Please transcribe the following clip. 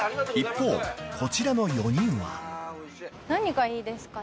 ［一方こちらの４人は］何がいいですかね？